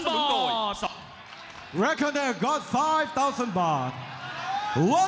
เต้นเมื่อไหรกอะไรมาก